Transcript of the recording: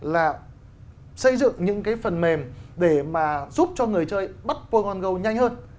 là xây dựng những cái phần mềm để mà giúp cho người chơi bắt pokemon go nhanh hơn